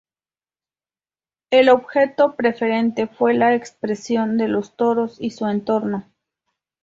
El objeto preferente fue la expresión de los toros y su entorno.